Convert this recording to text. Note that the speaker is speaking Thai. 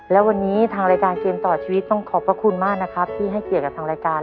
และวันนี้ทางรายการเกมต่อชีวิตต้องขอบพระคุณมากนะครับที่ให้เกียรติกับทางรายการ